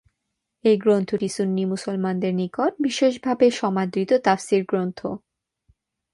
এই গ্রন্থটি সুন্নি মুসলমানদের নিকট বিশেষভাবে সমাদৃত তাফসির গ্রন্থ।